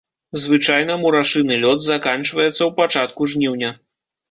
Звычайна мурашыны лёт заканчваецца ў пачатку жніўня.